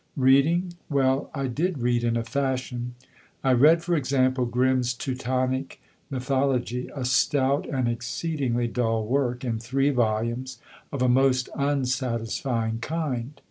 Reading? Well, I did read in a fashion. I read, for example, Grimm's Teutonic Mythology, a stout and exceedingly dull work in three volumes of a most unsatisfying kind.